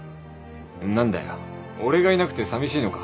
何だよ俺がいなくてさみしいのか。